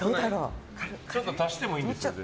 ちょっと足してもいいんですよ。